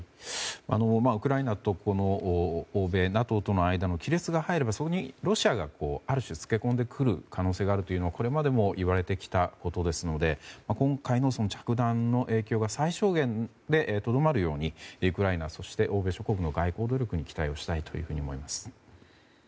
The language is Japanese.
ウクライナと欧米、ＮＡＴＯとの間に亀裂が入ればそこにロシアが、ある種付け込んでくる可能性があるというのはこれまでも言われてきたことですので今回の着弾の影響が最小限でとどまるようにウクライナ、そして欧米諸国の外交努力に期待したいと思います。